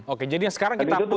oke jadi sekarang kita push